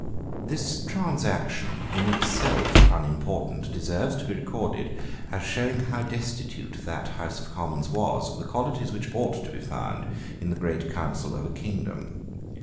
This transaction, in itself unimportant, deserves to be recorded, as showing how destitute that House of Commons was of the qualities which ought to be found in the great council of a kingdom.